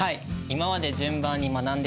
今まで順番に学んできました。